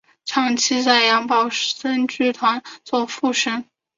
长期在杨宝森剧团做副生。